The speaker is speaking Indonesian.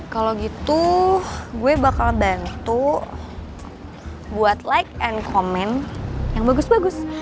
kalau gitu gue bakal bantu buat like and comment yang bagus bagus